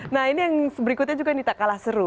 nah ini yang berikutnya juga nita kalah seru